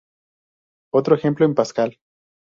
Otro ejemplo en Pascal.